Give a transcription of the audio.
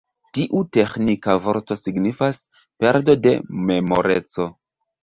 Tiu teĥnika vorto signifas: perdo de memoreco.